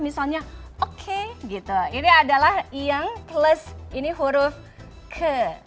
misalnya oke gitu ini adalah yang plus ini huruf ke